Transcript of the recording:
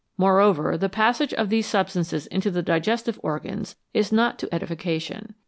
Moreover, the passage of these substances into the digestive organs is not to edification.